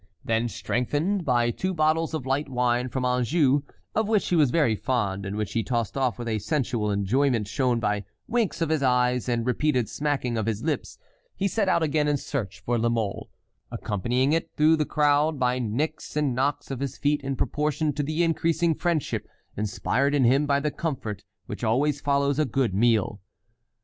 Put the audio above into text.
Then strengthened by two bottles of light wine from Anjou, of which he was very fond and which he tossed off with a sensual enjoyment shown by winks of his eyes and repeated smacking of his lips, he set out again in his search for La Mole, accompanying it through the crowd by kicks and knocks of his feet in proportion to the increasing friendship inspired in him by the comfort which always follows a good meal.